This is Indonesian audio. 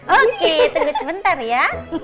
oke tunggu sebentar ya